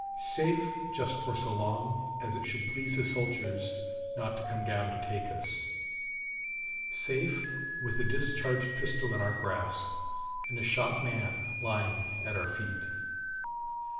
Safe just for so long as it should please the soldiers not to come down to take us, safe with a discharged pistol in our grasp, and a shot man lying at our feet.